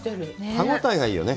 歯応えがいいよね？